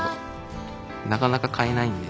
なかなか買えないんで。